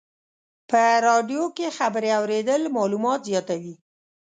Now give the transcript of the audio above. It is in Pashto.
په رادیو کې خبرې اورېدل معلومات زیاتوي.